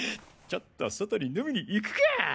ちょっと外に飲みに行くか！